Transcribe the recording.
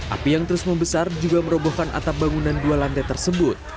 api yang terus membesar juga merobohkan atap bangunan dua lantai tersebut